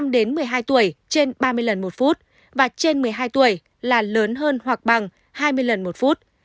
đến một mươi hai tuổi trên ba mươi lần một phút và trên một mươi hai tuổi là lớn hơn hoặc bằng hai mươi lần một phút